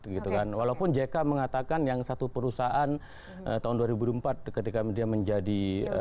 gitu kan walaupun jk mengatakan yang satu perusahaan tahun dua ribu empat ketika dia menjadi